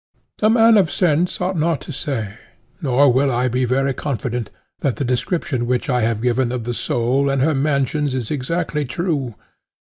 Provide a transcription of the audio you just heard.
A man of sense ought not to say, nor will I be very confident, that the description which I have given of the soul and her mansions is exactly true.